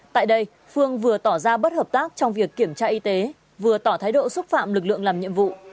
tại đây phương vừa tỏ ra bất hợp tác trong việc kiểm tra y tế vừa tỏ thái độ xúc phạm lực lượng làm nhiệm vụ